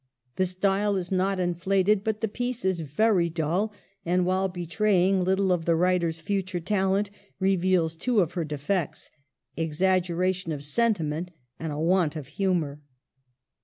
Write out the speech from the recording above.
The style is not inflated, but the piece is very dull, and, while betraying little of the writer's future talent, reveals two of her defects, exaggeration of sentiment and a want of humor.